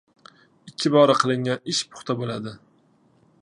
Ikki bora qilingan ish puxta bo‘ladi.